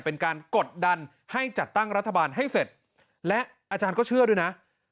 เป็นการกดดันให้จัดตั้งรัฐบาลให้เสร็จและอาจารย์ก็เชื่อด้วยนะ